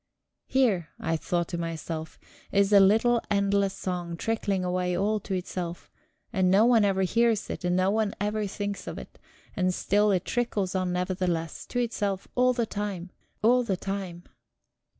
Here, I thought to myself, is a little endless song trickling away all to itself, and no one ever hears it, and no one ever thinks of it, and still it trickles on nevertheless, to itself, all the time, all the time!